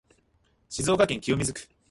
静岡市清水区